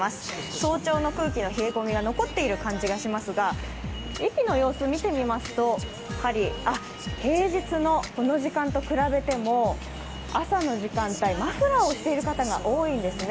早朝の空気の冷え込みが残っている感じがしますが駅の様子、見てみますと平日のこの時間と比べても朝の時間帯、マフラーをしている方が多いんですね。